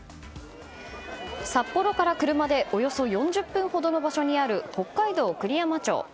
札幌から車でおよそ４０分ほどの場所にある北海道栗山町。